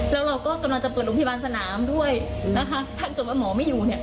แล้วเราก็กำลังจะเปิดโรงพยาบาลสนามด้วยนะคะถ้าเกิดว่าหมอไม่อยู่เนี่ย